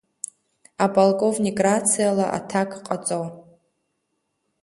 Аполковник рациала аҭак ҟаҵо.